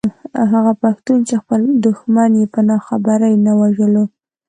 هغه پښتون چې خپل دښمن يې په ناخبرۍ نه وژلو.